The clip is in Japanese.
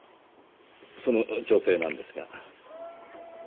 その女性なんですが。